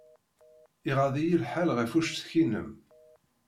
Iɣaḍ-iyi lḥal ɣef uccetki-nnem.